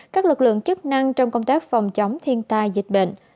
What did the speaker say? các lực lượng chức năng trong công tác phòng chống thiên tai dịch bệnh